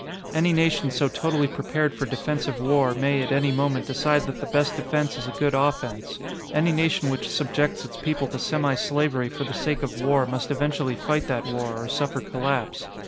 Any nation so totally prepared for defensive war may, at any moment, decide that the best defense is a good offense. Any nation which subjects its people to semislavery for the sake of war must eventually fight that war or suffer collapse.